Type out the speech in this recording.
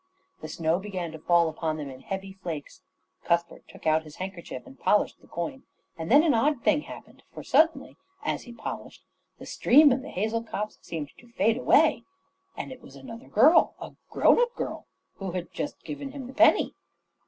The snow began to fall upon them in heavy flakes. Cuthbert took out his handkerchief and polished the coin. And then an odd thing happened, for suddenly, as he polished, the stream and the hazel copse seemed to fade away; and it was another girl a grown up girl who had just given him the penny.